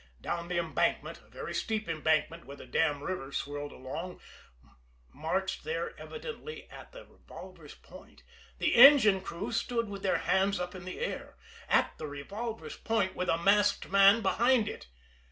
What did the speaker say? Down the embankment, a very steep embankment where the Dam River swirled along, marched there evidently at the revolver's point, the engine crew stood with their hands up in the air at the revolver's point with a masked man behind it.